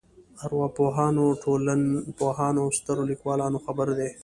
ارواپوهانو ټولنپوهانو او سترو لیکوالانو خبرې دي.